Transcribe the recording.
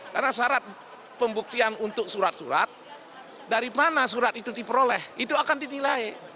karena syarat pembuktian untuk surat surat dari mana surat itu diperoleh itu akan dinilai